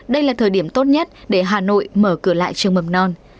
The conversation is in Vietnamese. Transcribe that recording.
đây là thời điểm tốt nhất để hà nội mở cửa lại trường mầm non